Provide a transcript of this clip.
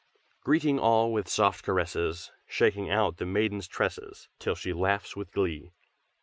"Greeting all with soft caresses, Shaking out the maiden's tresses Till she laughs with glee.